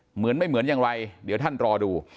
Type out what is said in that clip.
เหมือนไม่เหมือนอย่างไรเดี๋ยวท่านรอดู